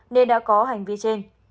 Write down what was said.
nên đã có hành vi trên